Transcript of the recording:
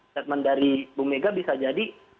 statement dari bu mega bisa jadi